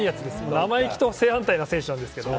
生意気とは正反対な選手なんですけど。